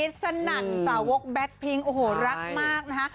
สนั่นสนั่นสาวกแบล็คพิ้งโอ้โหรักมากนะฮะ